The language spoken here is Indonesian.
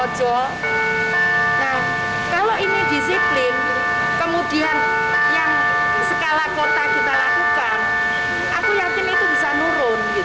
nah kalau ini disiplin kemudian yang skala kota kita lakukan aku yakin itu bisa nurun